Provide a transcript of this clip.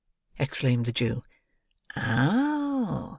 exclaimed the Jew. "Oh!